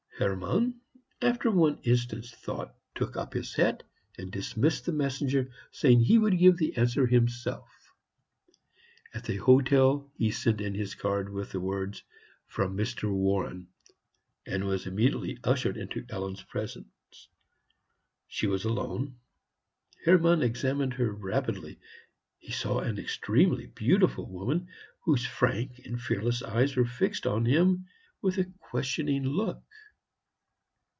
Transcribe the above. Hermann, after one instant's thought, took up his hat and dismissed the messenger, saying he would give the answer himself. At the hotel he sent in his card, with the words, "From Mr. Warren," and was immediately ushered into Ellen's presence. She was alone. Hermann examined her rapidly. He saw an extremely beautiful woman, whose frank and fearless eyes were fixed on him with a questioning look.